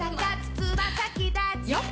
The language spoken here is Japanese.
つま先だちよっ！